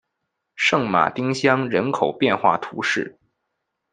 圣马丁乡人口变化图示